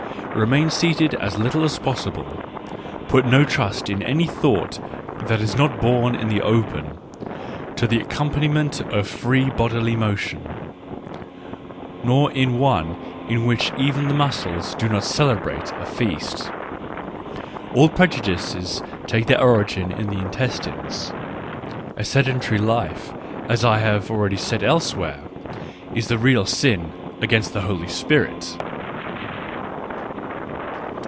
Remain seated as little as possible, (put Ihb trust in any thought that is not born in the open, to the accompaniment of free bodily motionr — nor in N one in which even the muscles do not celebrate a fekst. QUI prejudices take their origin in the intestines!^ A sedentary life, as I have already said elsewhere, is the real sin against the Holy Spirit.